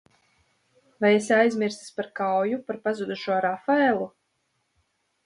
Vai esi aizmirsis par kauju par pazudušo Rafaelu?